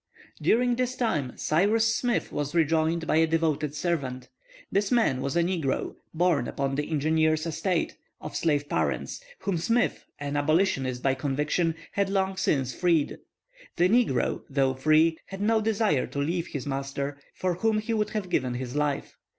During this time Cyrus Smith was rejoined by a devoted servant. This man was a negro, born upon the engineer's estate, of slave parents, whom Smith, an abolitionist by conviction, had long since freed. The negro, though free, had no desire to leave his master, for whom he would have given his life.